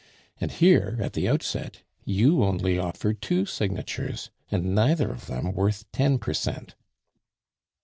And here at the outset you only offer two signatures, and neither of them worth ten per cent."